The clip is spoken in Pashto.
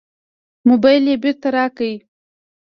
موبایل یې بېرته راکړ.